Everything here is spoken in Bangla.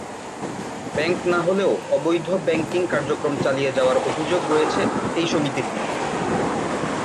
ব্যাংক না হলেও অবৈধ ব্যাংকিং কার্যক্রম চালিয়ে যাওয়ার অভিযোগ রয়েছে এই সমিতির দিকে।